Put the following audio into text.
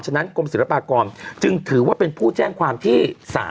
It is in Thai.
ฉะนั้นกรมศิลปากรจึงถือว่าเป็นผู้แจ้งความที่๓